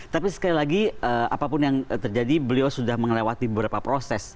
tapi sekali lagi apapun yang terjadi beliau sudah melewati beberapa proses